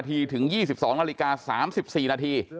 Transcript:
ถึง๒๒น๓๔น